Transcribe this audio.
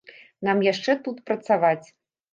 Нам яшчэ тут працаваць.